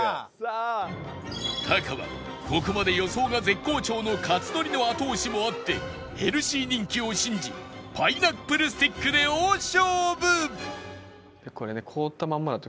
タカはここまで予想が絶好調の克典の後押しもあってヘルシー人気を信じパイナップルスティックで大勝負！